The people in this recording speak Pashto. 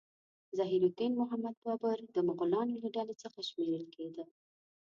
ظهیر الدین محمد بابر د مغولانو له ډلې څخه شمیرل کېده.